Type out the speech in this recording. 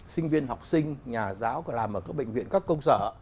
sinh viên học sinh nhà giáo có làm ở các bệnh viện các công sở